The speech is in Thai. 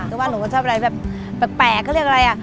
แต่ว่าหนูก็ชอบอะไรแบบแปลกเขาเรียกอะไรอ่ะ